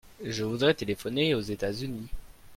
Je voudrais téléphoner aux États-Unis.